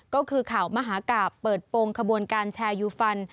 ก็คือข่าวมหากราบเปิดโปรงขบวนการแชร์ยูฟัน